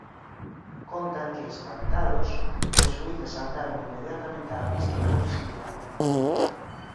Contan que, espantados, os xuíces saltaron inmediatamente á pista para auxilialo.